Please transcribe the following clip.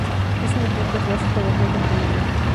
Es un ejemplo clásico de fuente primaria.